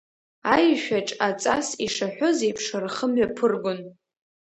Аишәаҿ, аҵас ишаҳәоз еиԥш, рхы мҩаԥыргон…